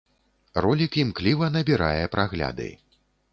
Ролік імкліва набірае прагляды.